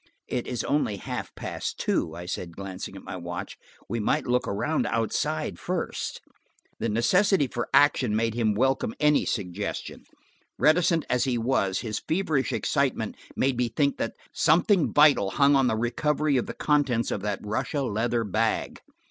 "It is only half past two," I said, glancing at my watch. "We might look around outside first." The necessity for action made him welcome any suggestion. Reticent as he was, his feverish excitement made me think that something vital hung on the recovery of the contents of that Russia leather bag.